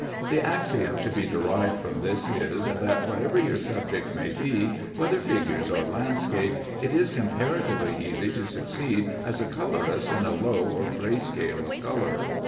The axiom to be derived from this is, that whatever your subject may be, whether figures or landscape, it is comparatively easy to succeed as a colorist in a low or gray scale of color.